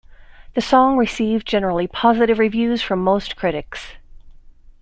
The song received generally positive reviews from most critics.